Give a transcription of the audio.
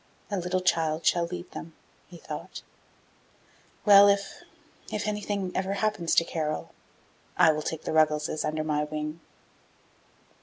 "A little child shall lead them," he thought; "well, if if anything ever happens to Carol, I will take the Ruggleses under my wing."